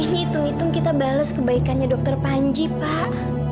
ini hitung hitung kita balas kebaikannya dokter panji pak